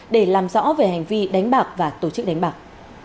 để làm rõ về hành vi đánh bạc và tổ chức đánh bạc